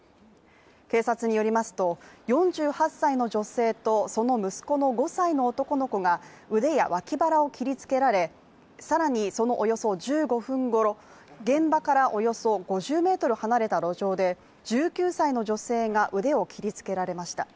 警察によりますと、４８歳の女性とその息子の５歳の男の子が腕や脇腹を切り付けられ、さらにそのおよそ１５分後、現場からおよそ５０ｍ離れた路上で、１９歳の女性が腕を切りつけられました。